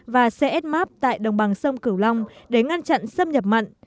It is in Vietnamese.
và csmap tại đồng bằng sông cửu long để ngăn chặn xâm nhập mặn